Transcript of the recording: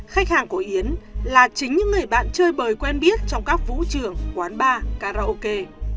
khách hàng của yến là chính những người bạn chơi bời quen biết trong các vũ trường quán bar karaoke